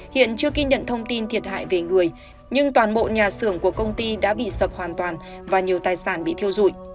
hiện chưa kiên nhận thông tin thiệt hại về người nhưng toàn bộ nhà xưởng của công ty đã bị sập hoàn toàn và nhiều tài sản bị thiêu dụi